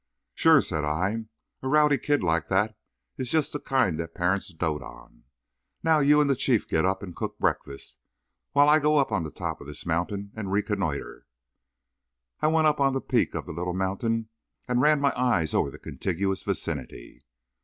"Sure," said I. "A rowdy kid like that is just the kind that parents dote on. Now, you and the Chief get up and cook breakfast, while I go up on the top of this mountain and reconnoitre." I went up on the peak of the little mountain and ran my eye over the contiguous vicinity.